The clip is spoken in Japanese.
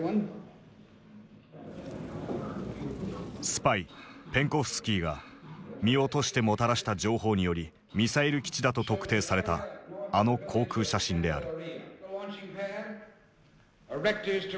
スパイ・ペンコフスキーが身を賭してもたらした情報によりミサイル基地だと特定されたあの航空写真である。